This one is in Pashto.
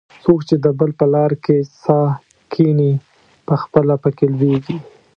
څوک چې د بل په لار کې څا کیني؛ پخپله په کې لوېږي.